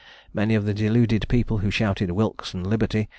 Many of the deluded people who shouted "Wilkes and liberty!"